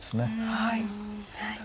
はい。